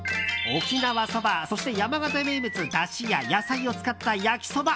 沖縄そば、そして山形名物だしや野菜を使った焼きそば。